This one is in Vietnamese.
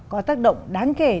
có tác động đáng kể